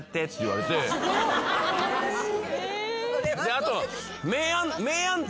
あと。